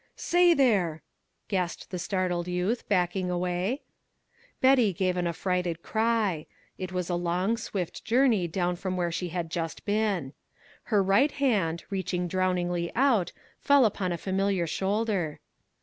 "Say, there " gasped the startled youth, backing away. Betty gave an affrighted cry it was a long swift journey down from where she had just been. Her right hand, reaching drowningly out, fell upon a familiar shoulder.